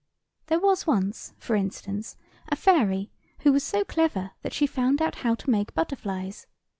There was once, for instance, a fairy who was so clever that she found out how to make butterflies.